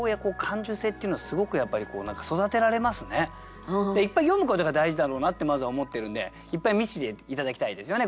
すごい俳句っていっぱい読むことが大事だろうなってまずは思ってるんでいっぱい見せて頂きたいですよね